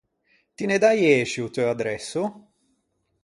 Ti ne daiësci o teu adresso?